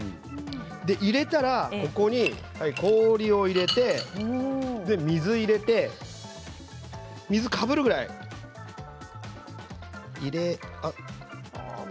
入れたらここに氷を入れて水入れて水、かぶるぐらい入れ。